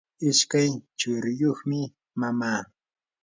ishkay churiyuqmi mama.